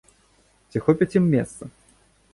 Ці хопіць ім месца?